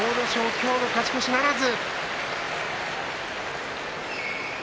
今日の勝ち越しならず。